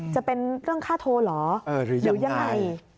จะเป็นเรื่องค่าโทรเหรอหรือยังไง